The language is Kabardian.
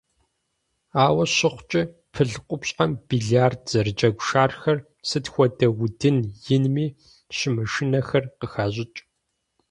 Ауэ щыхъукӀи, пыл къупщхьэм биллиард зэрыджэгу шархэр, сыт хуэдэ удын инми щымышынэхэр, къыхащӀыкӀ.